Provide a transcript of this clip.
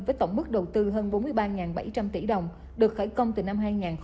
với tổng mức đầu tư hơn bốn mươi ba bảy trăm linh tỷ đồng được khởi công từ năm hai nghìn một mươi